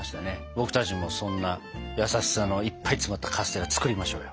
僕たちもそんな優しさのいっぱい詰まったカステラ作りましょうよ。